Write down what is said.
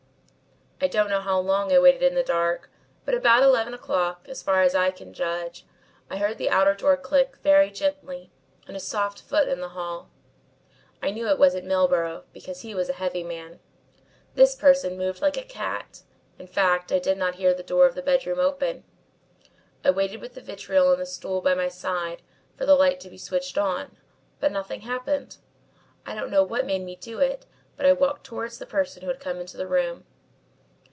"I don't know how long I waited in the dark, but about eleven o'clock, as far as I can judge, I heard the outer door click very gently and a soft foot in the hall. I knew it wasn't Milburgh because he was a heavy man. This person moved like a cat. In fact, I did not hear the door of the bedroom open. I waited with the vitriol on the stool by my side, for the light to be switched on, but nothing happened. I don't know what made me do it but I walked towards the person who had come into the room.